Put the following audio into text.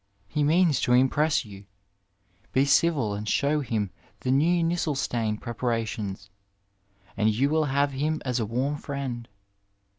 He means to impress you j be civil and show him the new Nissl stain preparations, and you will have him as a warm friend.